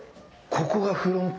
ここがフロント？